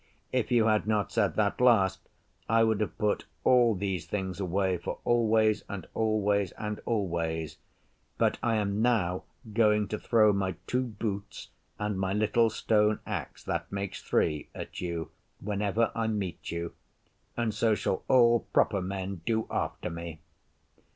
'If you had not said that last I would have put all these things away for always and always and always; but I am now going to throw my two boots and my little stone axe (that makes three) at you whenever I meet you. And so shall all proper Men do after me!